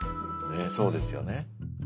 ねっそうですよね。